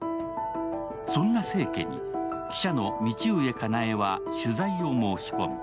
そんな清家に記者の道上香苗は取材を申し込む。